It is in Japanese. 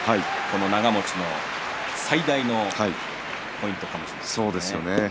長もちの最大のポイントかもしれませんね。